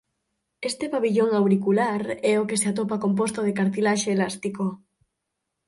Este pavillón auricular é o que se atopa composto de cartilaxe elástico.